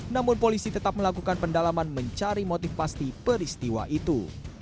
namun polisi tetap melakukan pendalaman mencari motif pasti peristiwa itu